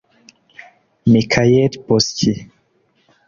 Michael Bosqui